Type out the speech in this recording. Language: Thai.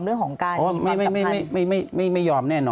เรื่องของการมีความสำคัญ